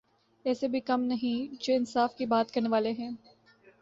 ایسے بھی کم نہیں جو انصاف کی بات کرنے والے ہیں۔